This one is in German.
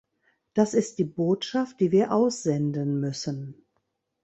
Das ist die Botschaft, die wir aussenden müssen.